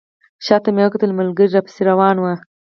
شاته مې وکتل ملګري راپسې روان وو.